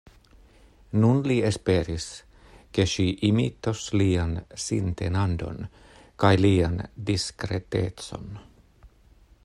Nun li esperis, ke ŝi imitos lian sintenadon kaj lian diskretecon.